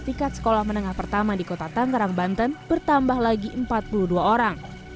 tingkat sekolah menengah pertama di kota tangerang banten bertambah lagi empat puluh dua orang